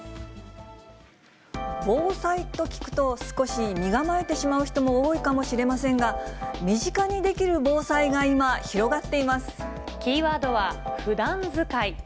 防災と聞くと、少し身構えてしまう人も多いかもしれませんが、身近にできる防災が今、広がってキーワードは、ふだん使い。